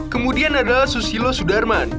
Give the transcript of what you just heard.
kemudian adalah susilo sudarman